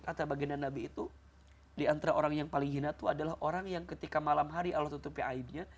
kata baginda nabi itu diantara orang yang paling hina itu adalah orang yang ketika malam hari allah tutupi aibnya